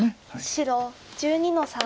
白１２の三。